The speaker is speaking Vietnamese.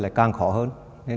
là càng khó hơn